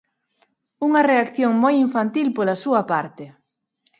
Unha reacción moi infantil pola súa parte.